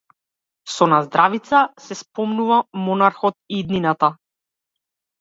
Со наздравица се споменува монархот и иднината.